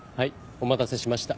お待たせしました。